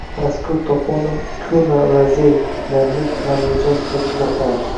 Mazkur toponim Kuna va zey – namlik, namli joy sifatida izohlanadi.